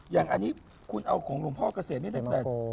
อย่างอันนี้คุณเอาของหลวงพ่อเกษมไม่แปลก